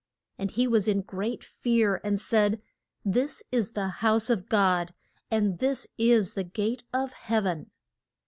And he was in great fear, and said, This is the house of God, and this is the gate of heav en!